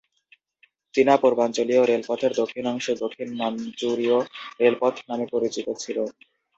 চীনা পূর্বাঞ্চলীয় রেলপথের দক্ষিণাংশ দক্ষিণ মাঞ্চুরীয় রেলপথ নামে পরিচিত ছিল।